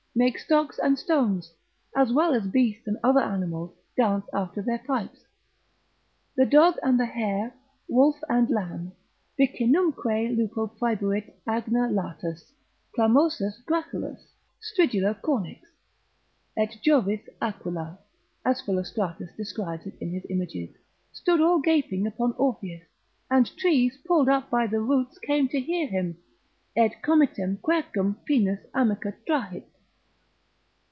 make stocks and stones, as well as beasts and other animals, dance after their pipes: the dog and hare, wolf and lamb; vicinumque lupo praebuit agna latus; clamosus graculus, stridula cornix, et Jovis aquila, as Philostratus describes it in his images, stood all gaping upon Orpheus; and trees pulled up by the roots came to hear him, Et comitem quercum pinus amica trahit.